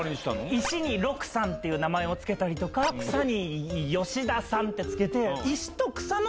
石にロクさんって名前を付けたり草に吉田さんって付けて。